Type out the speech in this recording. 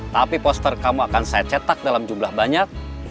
tapi poster kamu akan saya cetak dalam jumlah banyak